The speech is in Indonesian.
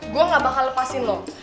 gue gak bakal lepasin loh